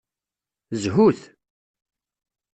Zhut!